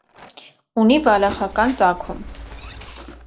Ունի վալախական ծագում։